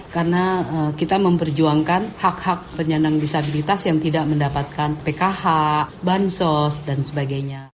karena kita memperjuangkan hak hak penyandang disabilitas yang tidak mendapatkan pkh bansos dan sebagainya